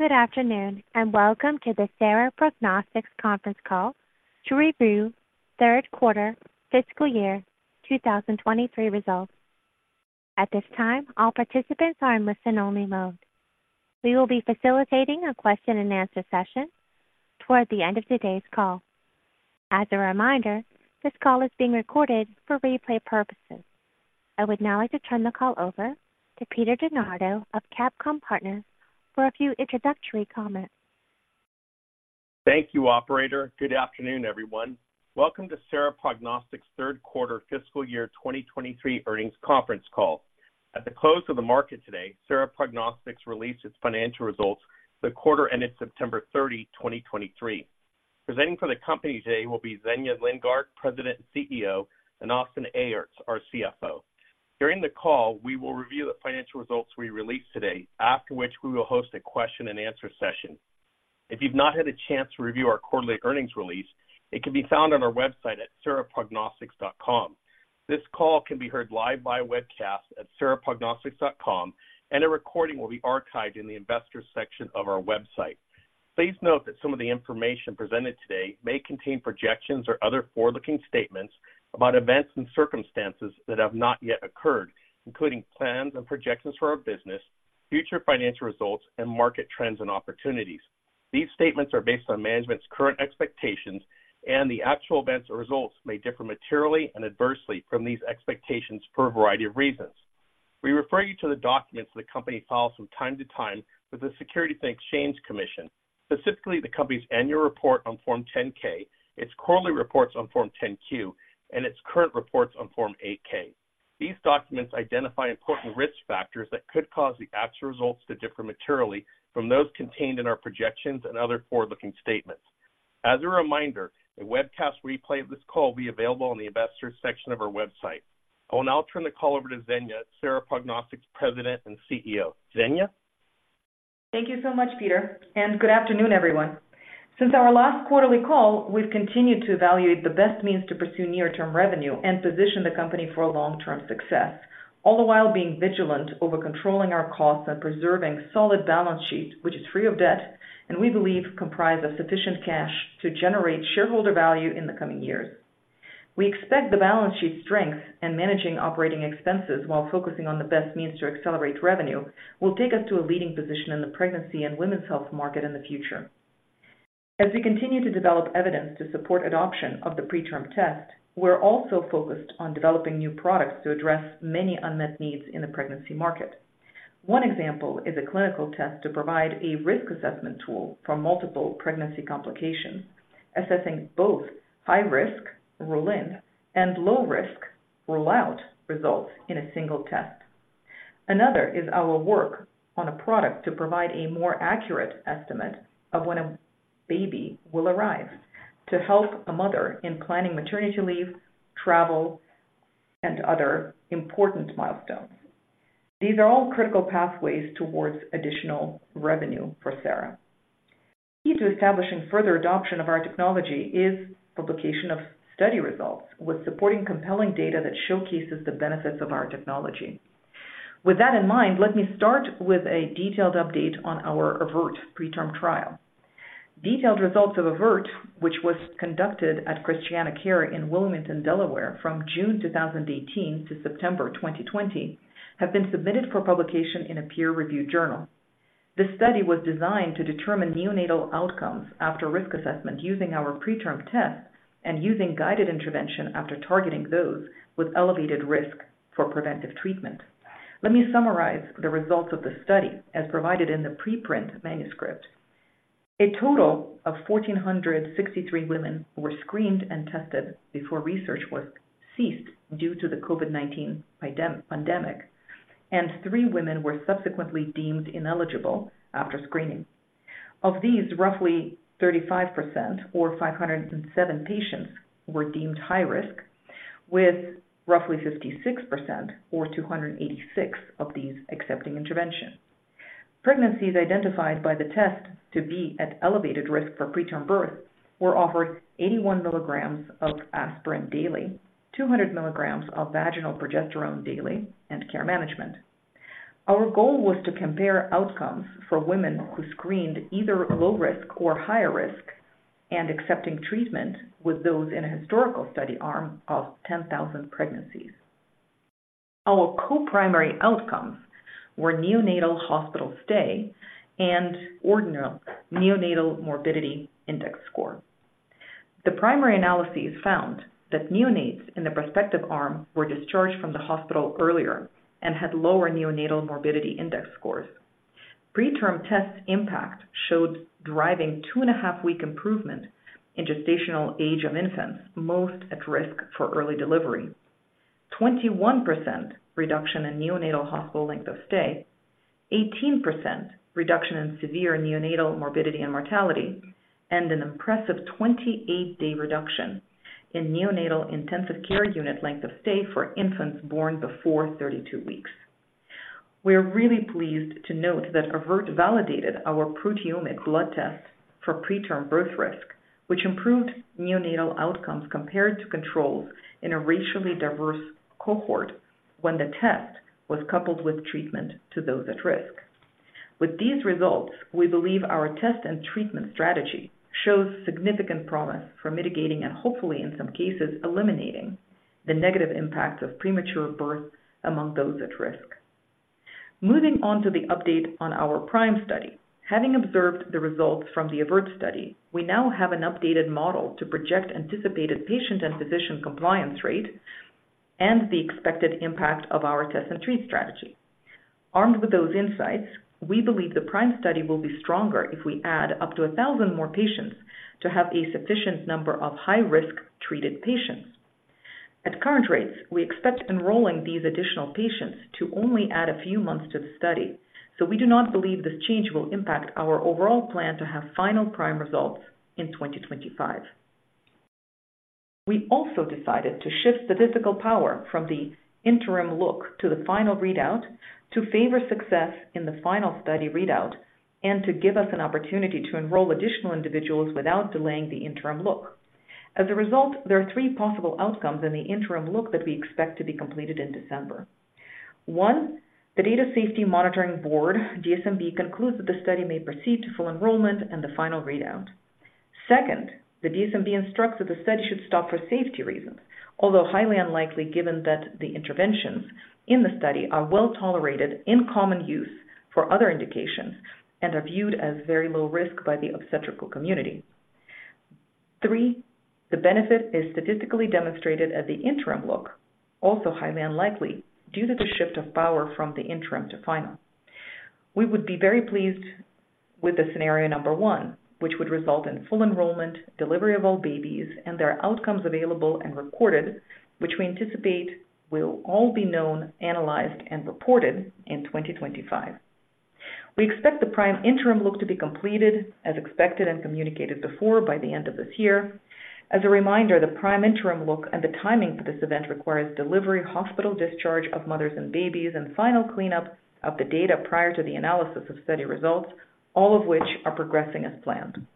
Good afternoon, and welcome to the Sera Prognostics conference call to review third quarter fiscal year 2023 results. At this time, all participants are in listen-only mode. We will be facilitating a question-and-answer session towards the end of today's call. As a reminder, this call is being recorded for replay purposes. I would now like to turn the call over to Peter DeNardo of CapComm Partners for a few introductory comments. Thank you, operator. Good afternoon, everyone. Welcome to Sera Prognostics third quarter fiscal year 2023 earnings conference call. At the close of the market today, Sera Prognostics released its financial results for the quarter ended September 30, 2023. Presenting for the company today will be Zhenya Lindgardt, President and CEO, and Austin Aerts, our CFO. During the call, we will review the financial results we released today, after which we will host a question-and-answer session. If you've not had a chance to review our quarterly earnings release, it can be found on our website at seraprognostics.com. This call can be heard live via webcast at seraprognostics.com, and a recording will be archived in the investors section of our website. Please note that some of the information presented today may contain projections or other forward-looking statements about events and circumstances that have not yet occurred, including plans and projections for our business, future financial results, and market trends and opportunities. These statements are based on management's current expectations, and the actual events or results may differ materially and adversely from these expectations for a variety of reasons. We refer you to the documents the company files from time to time with the Securities and Exchange Commission, specifically the company's annual report on Form 10-K, its quarterly reports on Form 10-Q, and its current reports on Form 8-K. These documents identify important risk factors that could cause the actual results to differ materially from those contained in our projections and other forward-looking statements. As a reminder, a webcast replay of this call will be available on the investors section of our website. I will now turn the call over to Zhenya, Sera Prognostics President and CEO. Zhenya? Thank you so much, Peter, and good afternoon, everyone. Since our last quarterly call, we've continued to evaluate the best means to pursue near-term revenue and position the company for long-term success, all the while being vigilant over controlling our costs and preserving solid balance sheet, which is free of debt, and we believe comprise of sufficient cash to generate shareholder value in the coming years. We expect the balance sheet strength and managing operating expenses while focusing on the best means to accelerate revenue, will take us to a leading position in the pregnancy and women's health market in the future. As we continue to develop evidence to support adoption of the PreTRM test, we're also focused on developing new products to address many unmet needs in the pregnancy market. One example is a clinical test to provide a risk assessment tool for multiple pregnancy complications, assessing both high risk, rule in, and low risk, rule out, results in a single test. Another is our work on a product to provide a more accurate estimate of when a baby will arrive, to help a mother in planning maternity leave, travel, and other important milestones. These are all critical pathways towards additional revenue for Sera. Key to establishing further adoption of our technology is publication of study results, with supporting compelling data that showcases the benefits of our technology. With that in mind, let me start with a detailed update on our AVERT preterm trial. Detailed results of AVERT, which was conducted at ChristianaCare in Wilmington, Delaware, from June 2018 to September 2020, have been submitted for publication in a peer-reviewed journal. This study was designed to determine neonatal outcomes after risk assessment, using our PreTRM test and using guided intervention after targeting those with elevated risk for preventive treatment. Let me summarize the results of the study as provided in the preprint manuscript. A total of 1,463 women were screened and tested before research was ceased due to the COVID-19 pandemic, and three women were subsequently deemed ineligible after screening. Of these, roughly 35%, or 507 patients, were deemed high risk, with roughly 56%, or 286 of these accepting intervention. Pregnancies identified by the test to be at elevated risk for preterm birth were offered 81 milligrams of aspirin daily, 200 milligrams of vaginal progesterone daily, and care management. Our goal was to compare outcomes for women who screened either low risk or higher risk and accepting treatment with those in a historical study arm of 10,000 pregnancies. Our co-primary outcomes were neonatal hospital stay and ordinal Neonatal Morbidity Index score. The primary analyses found that neonates in the prospective arm were discharged from the hospital earlier and had lower Neonatal Morbidity Index scores. PreTRM test impact showed driving 2.5-week improvement in gestational age of infants, most at risk for early delivery, 21% reduction in neonatal hospital length of stay, 18% reduction in severe neonatal morbidity and mortality, and an impressive 28-day reduction in neonatal intensive care unit length of stay for infants born before 32 weeks. We are really pleased to note that AVERT validated our proteomic blood test for preterm birth risk, which improved neonatal outcomes compared to controls in a racially diverse cohort. When the test was coupled with treatment to those at risk. With these results, we believe our test and treatment strategy shows significant promise for mitigating, and hopefully, in some cases, eliminating the negative impact of premature birth among those at risk. Moving on to the update on our PRIME study. Having observed the results from the AVERT study, we now have an updated model to project anticipated patient and physician compliance rate and the expected impact of our test and treat strategy. Armed with those insights, we believe the PRIME study will be stronger if we add up to 1,000 more patients to have a sufficient number of high-risk treated patients. At current rates, we expect enrolling these additional patients to only add a few months to the study, so we do not believe this change will impact our overall plan to have final PRIME results in 2025. We also decided to shift statistical power from the interim look to the final readout, to favor success in the final study readout, and to give us an opportunity to enroll additional individuals without delaying the interim look. As a result, there are three possible outcomes in the interim look that we expect to be completed in December. One, the Data Safety Monitoring Board, DSMB, concludes that the study may proceed to full enrollment and the final readout. Second, the DSMB instructs that the study should stop for safety reasons, although highly unlikely, given that the interventions in the study are well-tolerated in common use for other indications and are viewed as very low risk by the obstetrical community. Three, the benefit is statistically demonstrated at the interim look, also highly unlikely due to the shift of power from the interim to final. We would be very pleased with the scenario number one, which would result in full enrollment, delivery of all babies, and their outcomes available and recorded, which we anticipate will all be known, analyzed, and reported in 2025. We expect the PRIME interim look to be completed as expected and communicated before by the end of this year. As a reminder, the PRIME interim look and the timing for this event requires delivery, hospital discharge of mothers and babies, and final cleanup of the data prior to the analysis of study results, all of which are progressing as planned.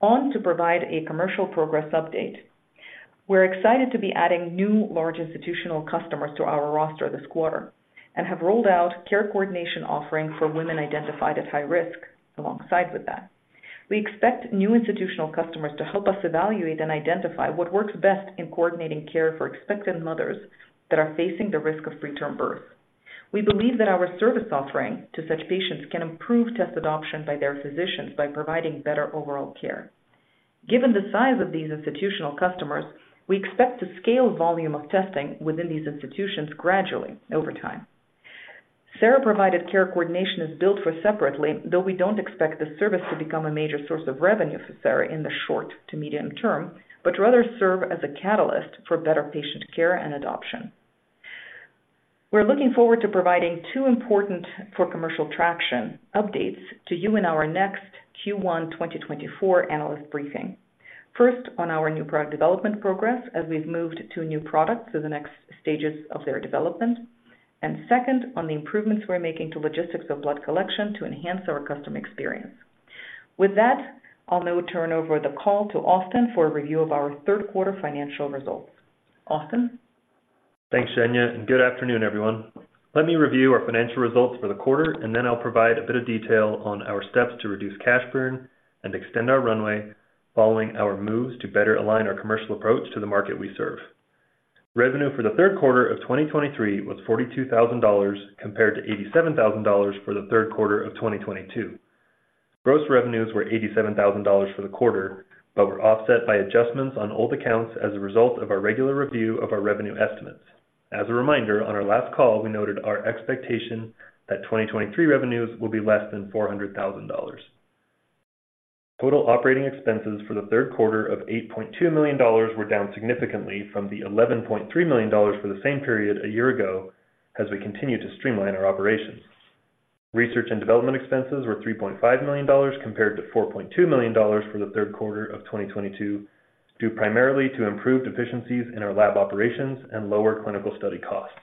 On to provide a commercial progress update. We're excited to be adding new large institutional customers to our roster this quarter and have rolled out care coordination offering for women identified at high risk alongside with that. We expect new institutional customers to help us evaluate and identify what works best in coordinating care for expectant mothers that are facing the risk of preterm birth. We believe that our service offering to such patients can improve test adoption by their physicians by providing better overall care. Given the size of these institutional customers, we expect to scale volume of testing within these institutions gradually over time. Sera-provided care coordination is billed for separately, though we don't expect this service to become a major source of revenue for Sera in the short to medium term, but rather serve as a catalyst for better patient care and adoption. We're looking forward to providing two important for commercial traction updates to you in our next Q1 2024 analyst briefing. First, on our new product development progress as we've moved two new products to the next stages of their development, and second, on the improvements we're making to logistics of blood collection to enhance our customer experience. With that, I'll now turn over the call to Austin for a review of our third quarter financial results. Austin? Thanks, Zhenya, and good afternoon, everyone. Let me review our financial results for the quarter, and then I'll provide a bit of detail on our steps to reduce cash burn and extend our runway following our moves to better align our commercial approach to the market we serve. Revenue for the third quarter of 2023 was $42,000, compared to $87,000 for the third quarter of 2022. Gross revenues were $87,000 for the quarter, but were offset by adjustments on old accounts as a result of our regular review of our revenue estimates. As a reminder, on our last call, we noted our expectation that 2023 revenues will be less than $400,000. Total operating expenses for the third quarter of $8.2 million were down significantly from the $11.3 million for the same period a year ago, as we continue to streamline our operations. Research and development expenses were $3.5 million, compared to $4.2 million for the third quarter of 2022, due primarily to improved efficiencies in our lab operations and lower clinical study costs.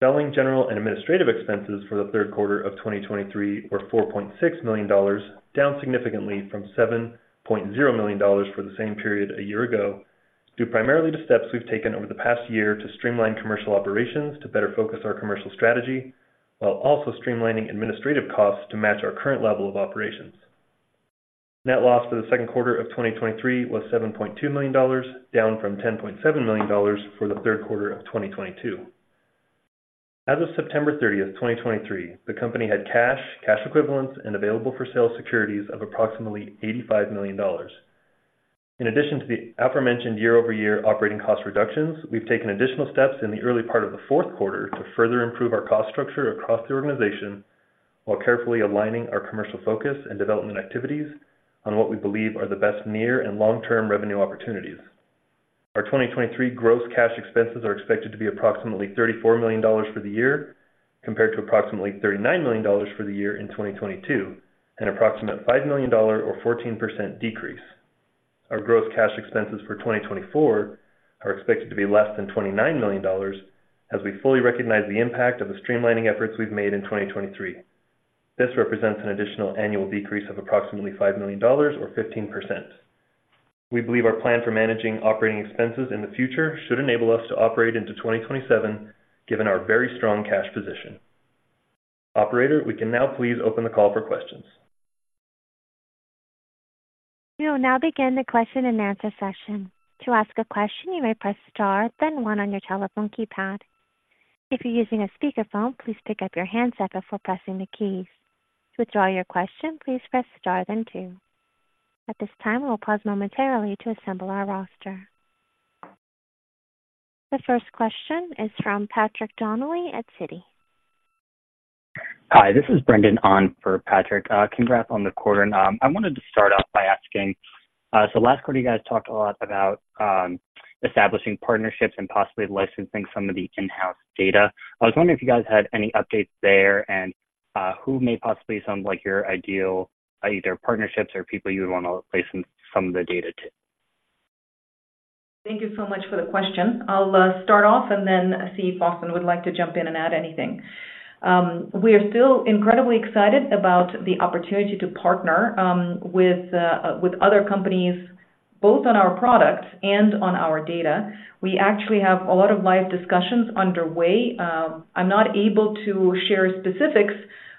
Selling, general, and administrative expenses for the third quarter of 2023 were $4.6 million, down significantly from $7.0 million for the same period a year ago, due primarily to steps we've taken over the past year to streamline commercial operations to better focus our commercial strategy, while also streamlining administrative costs to match our current level of operations. Net loss for the second quarter of 2023 was $7.2 million, down from $10.7 million for the third quarter of 2022. As of September 30, 2023, the company had cash, cash equivalents, and available-for-sale securities of approximately $85 million. In addition to the aforementioned year-over-year operating cost reductions, we've taken additional steps in the early part of the fourth quarter to further improve our cost structure across the organization, while carefully aligning our commercial focus and development activities on what we believe are the best near- and long-term revenue opportunities. Our 2023 gross cash expenses are expected to be approximately $34 million for the year, compared to approximately $39 million for the year in 2022, an approximate $5 million or 14% decrease. Our gross cash expenses for 2024 are expected to be less than $29 million, as we fully recognize the impact of the streamlining efforts we've made in 2023. This represents an additional annual decrease of approximately $5 million or 15%....We believe our plan for managing operating expenses in the future should enable us to operate into 2027, given our very strong cash position. Operator, we can now please open the call for questions. We will now begin the question-and-answer session. To ask a question, you may press star, then one on your telephone keypad. If you're using a speakerphone, please pick up your handset before pressing the keys. To withdraw your question, please press star then two. At this time, we'll pause momentarily to assemble our roster. The first question is from Patrick Donnelly at Citi. Hi, this is Brendan on for Patrick. Congrats on the quarter. I wanted to start off by asking, so last quarter, you guys talked a lot about establishing partnerships and possibly licensing some of the in-house data. I was wondering if you guys had any updates there and who may possibly sound like your ideal, either partnerships or people you would want to license some of the data to? Thank you so much for the question. I'll start off and then see if Austin would like to jump in and add anything. We are still incredibly excited about the opportunity to partner with other companies, both on our products and on our data. We actually have a lot of live discussions underway. I'm not able to share specifics.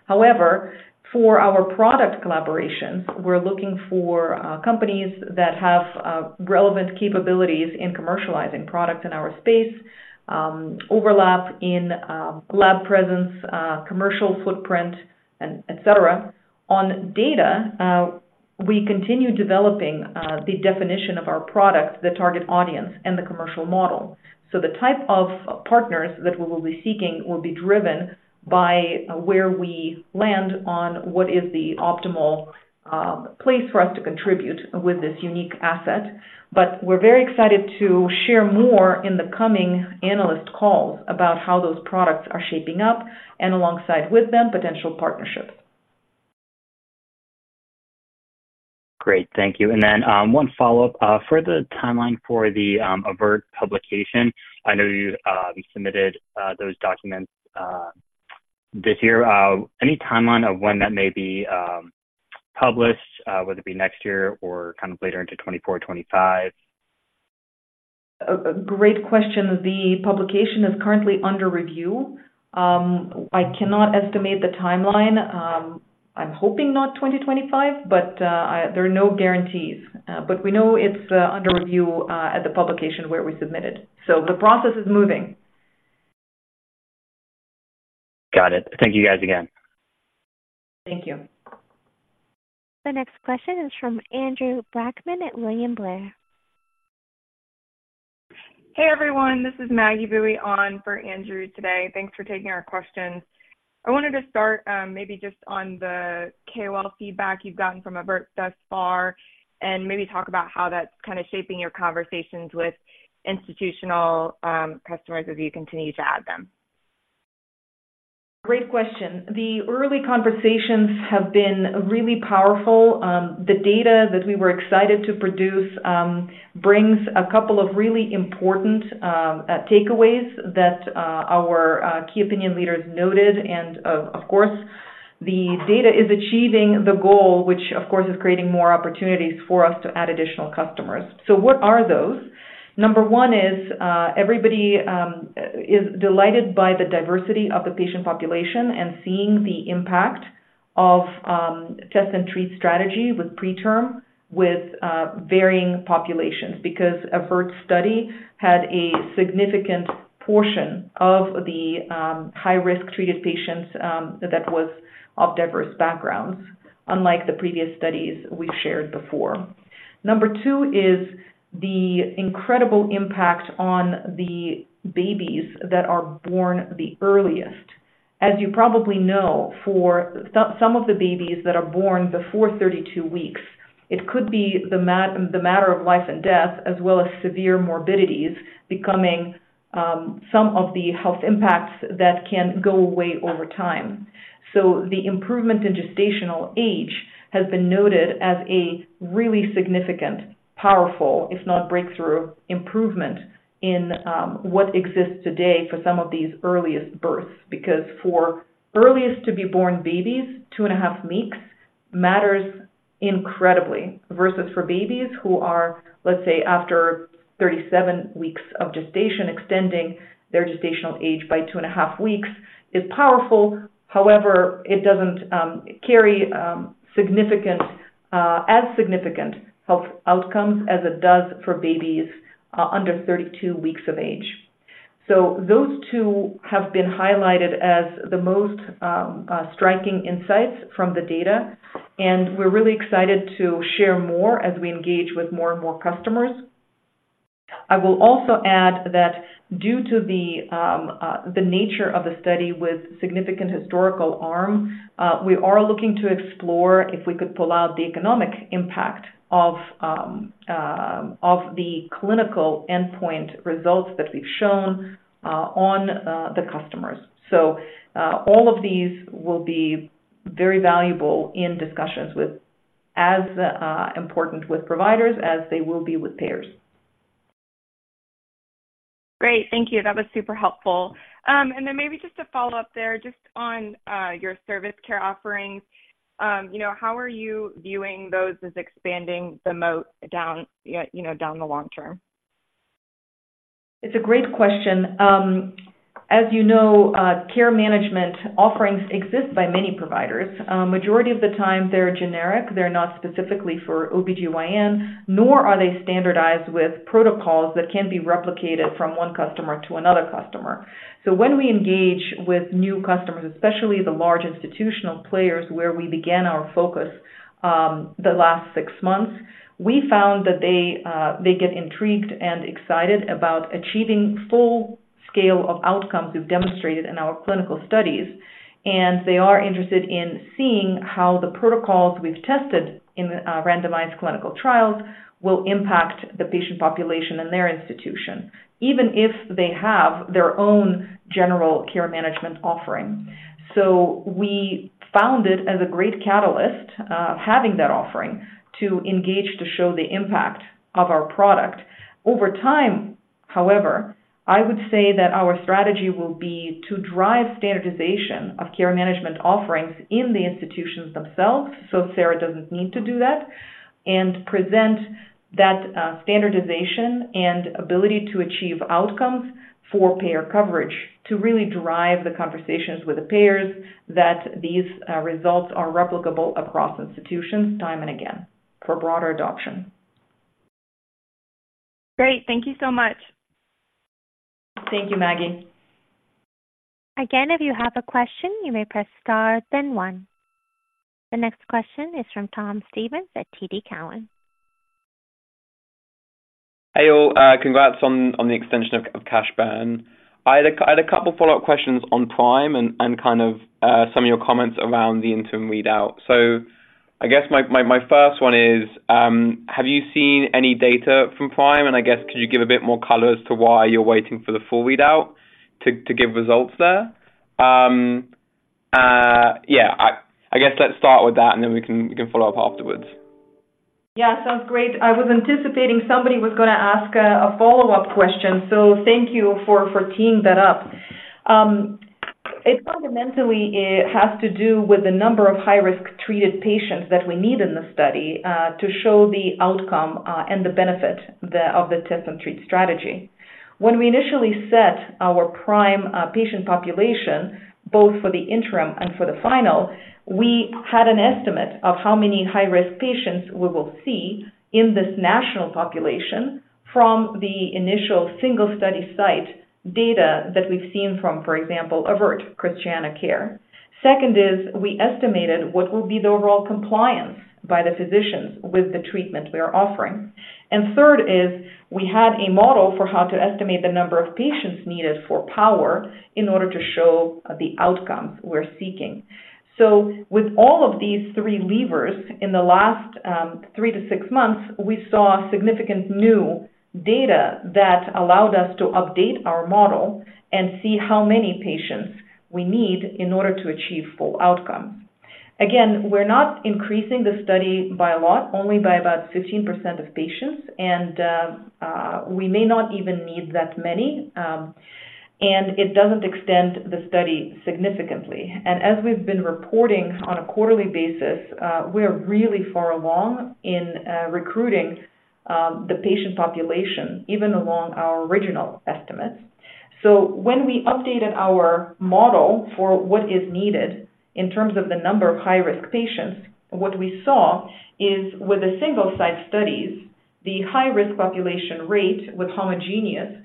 However, for our product collaborations, we're looking for companies that have relevant capabilities in commercializing products in our space, overlap in lab presence, commercial footprint, and et cetera. On data, we continue developing the definition of our product, the target audience, and the commercial model. So the type of partners that we will be seeking will be driven by where we land on what is the optimal place for us to contribute with this unique asset. But we're very excited to share more in the coming analyst calls about how those products are shaping up and alongside with them, potential partnerships. Great. Thank you. And then, one follow-up. For the timeline for the AVERT publication, I know you submitted those documents this year. Any timeline of when that may be published, whether it be next year or kind of later into 2024, 2025? A, a great question. The publication is currently under review. I cannot estimate the timeline. I'm hoping not 2025, but, there are no guarantees. But we know it's under review at the publication where we submitted. So the process is moving. Got it. Thank you, guys, again. Thank you. The next question is from Andrew Brackmann at William Blair. Hey, everyone, this is Maggie Boeye on for Andrew today. Thanks for taking our questions. I wanted to start, maybe just on the KOL feedback you've gotten from AVERT thus far, and maybe talk about how that's kind of shaping your conversations with institutional, customers as you continue to add them. Great question. The early conversations have been really powerful. The data that we were excited to produce brings a couple of really important takeaways that our key opinion leaders noted. And, of course, the data is achieving the goal, which of course, is creating more opportunities for us to add additional customers. So what are those? Number one is everybody is delighted by the diversity of the patient population and seeing the impact of test and treat strategy with preterm, with varying populations. Because AVERT study had a significant portion of the high-risk treated patients that was of diverse backgrounds, unlike the previous studies we've shared before. Number two is the incredible impact on the babies that are born the earliest. As you probably know, for some, some of the babies that are born before 32 weeks, it could be the matter of life and death, as well as severe morbidities, becoming some of the health impacts that can go away over time. So the improvement in gestational age has been noted as a really significant, powerful, if not breakthrough, improvement in what exists today for some of these earliest births, because for earliest to be born babies, 2.5 weeks matters incredibly, versus for babies who are, let's say, after 37 weeks of gestation, extending their gestational age by 2.5 weeks is powerful. However, it doesn't carry significant as significant health outcomes as it does for babies under 32 weeks of age. So those two have been highlighted as the most, striking insights from the data, and we're really excited to share more as we engage with more and more customers. I will also add that due to the nature of the study with significant historical arm, we are looking to explore if we could pull out the economic impact of the clinical endpoint results that we've shown on the customers. So, all of these will be very valuable in discussions with, as, important with providers as they will be with payers.... Great. Thank you. That was super helpful. And then maybe just a follow-up there, just on your service care offerings. You know, how are you viewing those as expanding the moat down, you know, down the long term? It's a great question. As you know, care management offerings exist by many providers. Majority of the time, they're generic. They're not specifically for OBGYN, nor are they standardized with protocols that can be replicated from one customer to another customer. So when we engage with new customers, especially the large institutional players, where we began our focus, the last six months, we found that they, they get intrigued and excited about achieving full scale of outcomes we've demonstrated in our clinical studies. And they are interested in seeing how the protocols we've tested in, randomized clinical trials will impact the patient population in their institution, even if they have their own general care management offering. So we found it as a great catalyst, having that offering, to engage, to show the impact of our product. Over time, however, I would say that our strategy will be to drive standardization of care management offerings in the institutions themselves, so Sera doesn't need to do that, and present that standardization and ability to achieve outcomes for payer coverage, to really drive the conversations with the payers that these results are replicable across institutions time and again for broader adoption. Great. Thank you so much. Thank you, Maggie. Again, if you have a question, you may press Star, then one. The next question is from Tom Stevens at TD Cowen. Hey, all. Congrats on the extension of cash burn. I had a couple follow-up questions on PRIME and kind of some of your comments around the interim readout. So I guess my first one is, have you seen any data from PRIME? And I guess, could you give a bit more color as to why you're waiting for the full readout to give results there? Yeah, I guess let's start with that, and then we can follow up afterwards. Yeah. Sounds great. I was anticipating somebody was going to ask a, a follow-up question, so thank you for, for teeing that up. It fundamentally, it has to do with the number of high-risk treated patients that we need in the study, to show the outcome, and the benefit of the test and treat strategy. When we initially set our PRIME, patient population, both for the interim and for the final, we had an estimate of how many high-risk patients we will see in this national population from the initial single-study site data that we've seen from, for example, AVERT ChristianaCare. Second is, we estimated what will be the overall compliance by the physicians with the treatment we are offering. Third is, we had a model for how to estimate the number of patients needed for power in order to show the outcomes we're seeking. With all of these three levers in the last three to six months, we saw significant new data that allowed us to update our model and see how many patients we need in order to achieve full outcome. Again, we're not increasing the study by a lot, only by about 15% of patients, and we may not even need that many, and it doesn't extend the study significantly. And as we've been reporting on a quarterly basis, we are really far along in recruiting the patient population, even along our original estimates. So when we updated our model for what is needed in terms of the number of high-risk patients, what we saw is with the single-site studies, the high-risk population rate with homogeneous,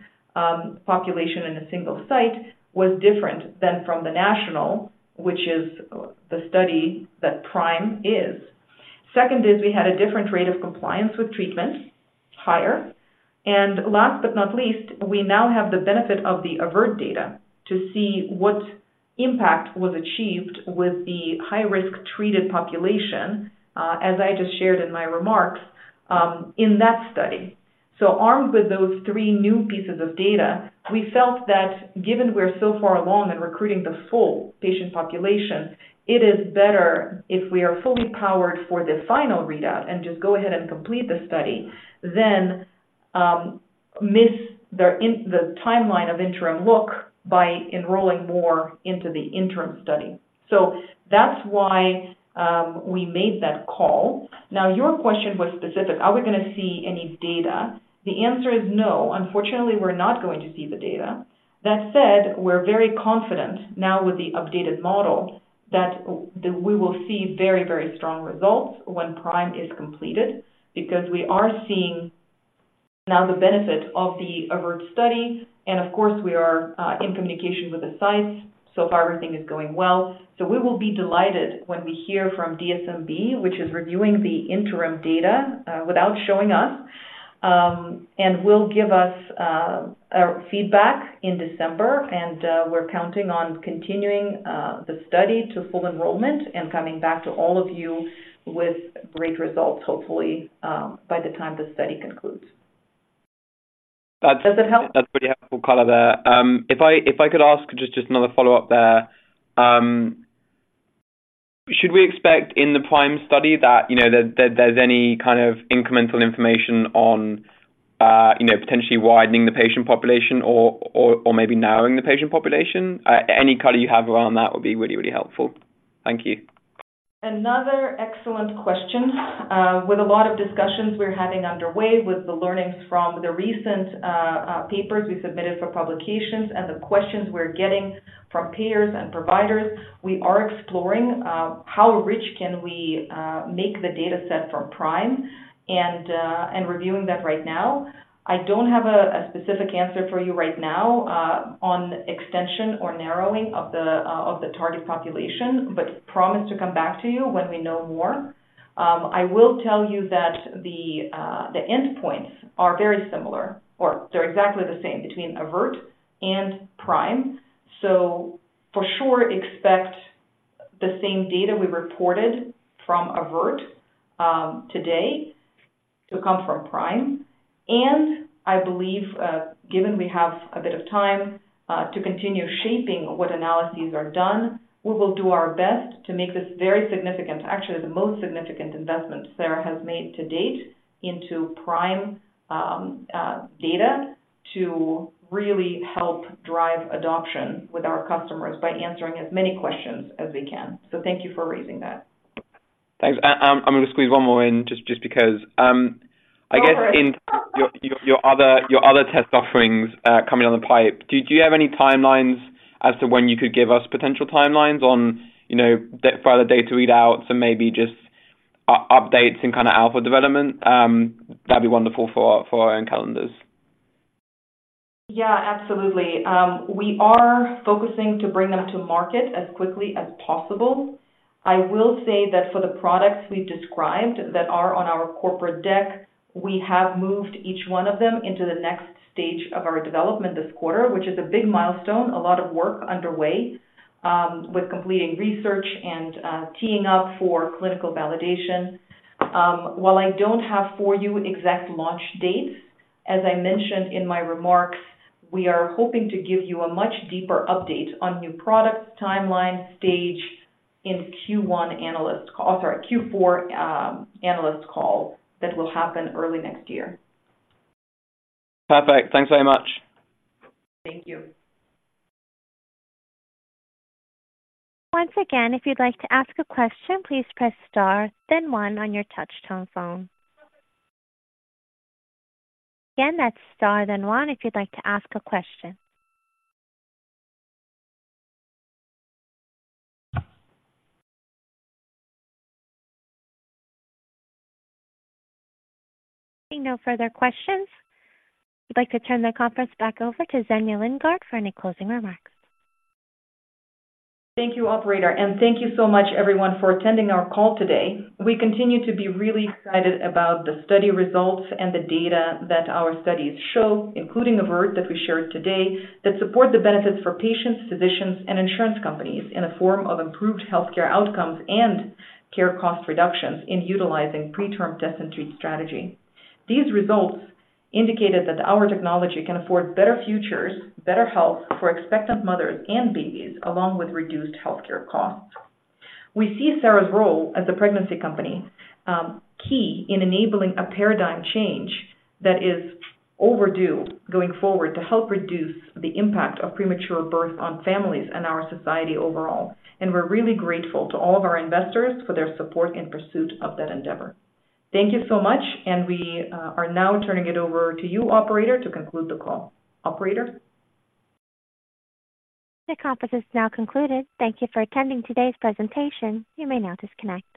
population in a single site was different than from the national, which is the study that PRIME is. Second is we had a different rate of compliance with treatment, higher. And last but not least, we now have the benefit of the AVERT data to see what impact was achieved with the high-risk treated population, as I just shared in my remarks, in that study. So armed with those three new pieces of data, we felt that given we're so far along in recruiting the full patient population, it is better if we are fully powered for the final readout and just go ahead and complete the study than miss the timeline of interim look by enrolling more into the interim study. So that's why we made that call. Now, your question was specific. Are we going to see any data? The answer is no. Unfortunately, we're not going to see the data. That said, we're very confident now with the updated model, that we will see very, very strong results when PRIME is completed because we are seeing now the benefit of the AVERT study, and of course, we are in communication with the sites. So far, everything is going well. So we will be delighted when we hear from DSMB, which is reviewing the interim data without showing us, and will give us feedback in December, and we're counting on continuing the study to full enrollment and coming back to all of you with great results, hopefully, by the time the study concludes. Does it help? That's pretty helpful color there. If I could ask just another follow-up there, should we expect in the PRIME study that, you know, there's any kind of incremental information on, you know, potentially widening the patient population or maybe narrowing the patient population? Any color you have around that would be really, really helpful. Thank you. Another excellent question. With a lot of discussions we're having underway, with the learnings from the recent papers we submitted for publications and the questions we're getting from peers and providers, we are exploring how rich can we make the data set from PRIME and reviewing that right now. I don't have a specific answer for you right now on extension or narrowing of the target population, but promise to come back to you when we know more. I will tell you that the endpoints are very similar or they're exactly the same between AVERT and PRIME. So for sure, expect the same data we reported from AVERT today to come from PRIME. I believe, given we have a bit of time, to continue shaping what analyses are done, we will do our best to make this very significant. Actually, the most significant investment Sera has made to date into PRIME data to really help drive adoption with our customers by answering as many questions as we can. So thank you for raising that. Thanks. I'm gonna squeeze one more in, just, just because, I guess- Go for it. In your other test offerings coming down the pipe, do you have any timelines as to when you could give us potential timelines on, you know, the further data readouts and maybe just updates and kind of alpha development? That'd be wonderful for our own calendars. Yeah, absolutely. We are focusing to bring them to market as quickly as possible. I will say that for the products we've described that are on our corporate deck, we have moved each one of them into the next stage of our development this quarter, which is a big milestone. A lot of work underway with completing research and teeing up for clinical validation. While I don't have for you exact launch dates, as I mentioned in my remarks, we are hoping to give you a much deeper update on new products, timelines, stage, in Q1 analyst call... Oh, sorry, Q4 analyst call. That will happen early next year. Perfect. Thanks very much. Thank you. Once again, if you'd like to ask a question, please press star then one on your touch-tone phone. Again, that's star then one if you'd like to ask a question. Seeing no further questions, I'd like to turn the conference back over to Zhenya Lindgardt for any closing remarks. Thank you, operator, and thank you so much everyone for attending our call today. We continue to be really excited about the study results and the data that our studies show, including AVERT, that we shared today, that support the benefits for patients, physicians, and insurance companies in the form of improved healthcare outcomes and care cost reductions in utilizing PreTRM test and treat strategy. These results indicated that our technology can afford better futures, better health for expectant mothers and babies, along with reduced healthcare costs. We see Sera's role as a pregnancy company, key in enabling a paradigm change that is overdue, going forward, to help reduce the impact of premature birth on families and our society overall. We're really grateful to all of our investors for their support in pursuit of that endeavor. Thank you so much, and we are now turning it over to you, operator, to conclude the call. Operator? The conference is now concluded. Thank you for attending today's presentation. You may now disconnect.